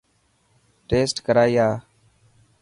ٽيسٽ ڪرائي آءِ.